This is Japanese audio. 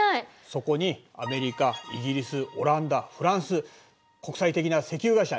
そこにアメリカイギリスオランダフランス国際的な石油会社